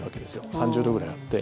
３０度ぐらいあって。